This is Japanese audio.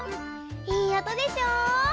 いいおとでしょ？